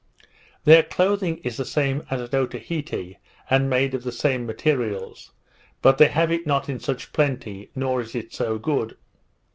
Their clothing is the same as at Otaheite, and made of the same materials; but they have it not in such plenty, nor is it so good.